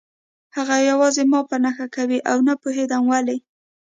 هغه یوازې ما په نښه کوي او نه پوهېدم ولې